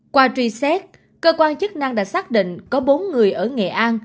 qua truy xét cơ quan chức năng đã xác định có bốn người ở nghệ an